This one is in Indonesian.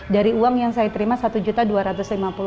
dari uang yang saya terima rp satu dua ratus lima puluh